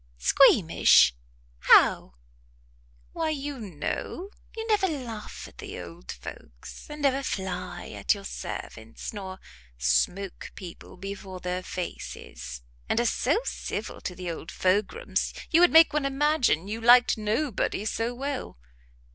"Squeamish? how?" "Why, you know, you never laugh at the old folks, and never fly at your servants, nor smoke people before their faces, and are so civil to the old fograms, you would make one imagine you liked nobody so well.